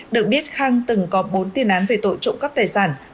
được biết khang từng có bốn tiền án về tội trộm cắp tài sản